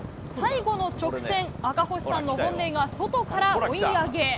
最後の直線、赤星さんの本命が外から追い上げ。